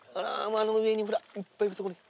あの上にほらいっぱいいるそこに。